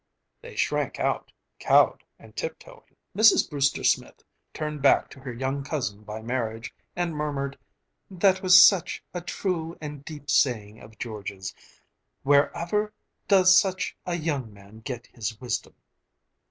They shrank out, cowed and tiptoeing. Mrs. Brewster Smith turned back to her young cousin by marriage and murmured, "That was such a true and deep saying of George's... wherever does such a young man get his wisdom!...